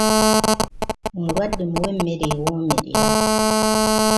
Omulwadde muwe emmere ewoomerera.